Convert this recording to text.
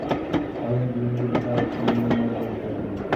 ভাবিলেন গৃহিণী বুঝি পাড়ার কোনো মেয়েমহলে গল্প ফাঁদিতে গিয়াছেন।